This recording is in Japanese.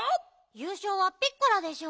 ゆうしょうはピッコラでしょ？